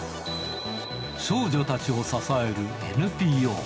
少女たちを支えるＮＰＯ。